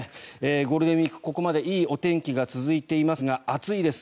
ゴールデンウィーク、ここまでいいお天気が続いていますが暑いです。